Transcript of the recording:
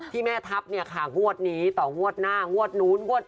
ที่แม่ทับเนี่ยค่ะวดนี้ต่อวดหน้าวดนู้นวด